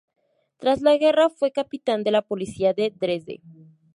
Tras la guerra fue capitán de la Policía de Dresde.